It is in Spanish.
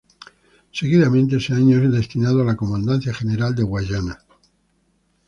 Seguidamente ese año, es destinado a la Comandancia General de Guayana.